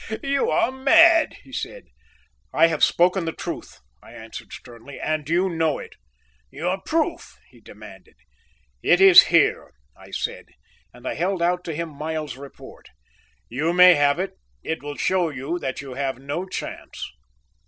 "You are mad," he said. "I have spoken the truth," I answered sternly, "and you know it." "Your proof!" he demanded. "It is here," I said, and I held out to him Miles's report; "you may have it; it will show you that you have no chance."